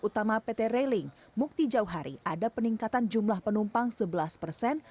utama pt railing mukti jauh hari ada peningkatan jumlah penumpang sebelas persen